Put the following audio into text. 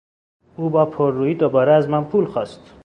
او با پررویی دوباره از من پول خواست.